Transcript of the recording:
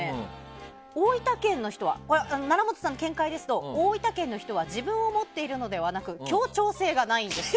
楢本さんの見解ですと大分県の人は自分を持っているのではなく協調性がないんです。